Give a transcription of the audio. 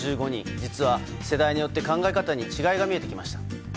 実は世代によって考え方に違いが見えてきました。